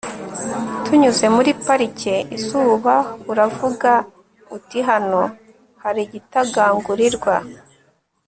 tunyuze muri parike izuba, uravuga uti hano hari igitagangurirwa